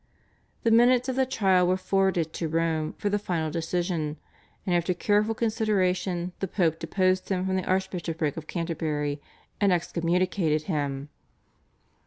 The minutes of the trial were forwarded to Rome for the final decision, and after careful consideration the Pope deposed him from the Archbishopric of Canterbury, and excommunicated him.